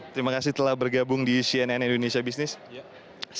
terima kasih telah bergabung di cnn indonesia business